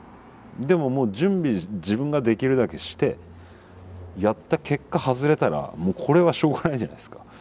でももう準備自分ができるだけしてやった結果外れたらこれはしょうがないじゃないですか。